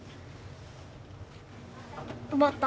埋まった！